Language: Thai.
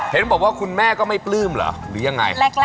เห็นบอกว่าคุณแม่ก็ไม่ปลื้มเหรอหรือยังไง